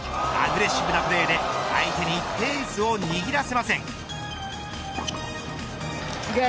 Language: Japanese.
アグレッシブなプレーで相手にペースを握らせません。